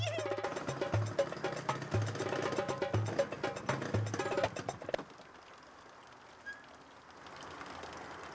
aku mau tidur